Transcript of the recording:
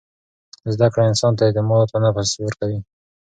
زده کړه انسان ته اعتماد په نفس ورکوي.